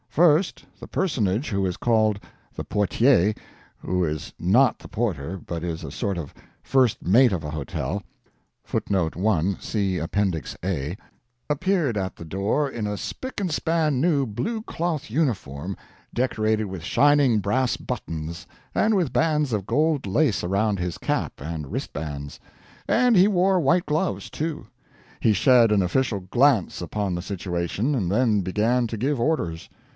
First, the personage who is called the PORTIER (who is not the PORTER, but is a sort of first mate of a hotel) [1. See Appendix A] appeared at the door in a spick and span new blue cloth uniform, decorated with shining brass buttons, and with bands of gold lace around his cap and wristbands; and he wore white gloves, too. He shed an official glance upon the situation, and then began to give orders.